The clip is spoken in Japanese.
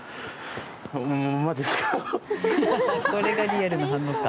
ハハハこれがリアルな反応か。